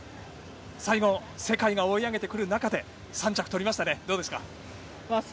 最後、世界が追い上げてくる中で３着取りましたね。